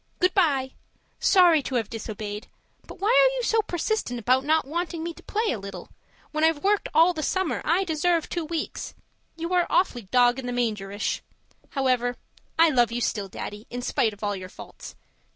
Goodbye sorry to have disobeyed, but why are you so persistent about not wanting me to play a little? When I've worked all the summer I deserve two weeks. You are awfully dog in the mangerish. However I love you still, Daddy, in spite of all your faults.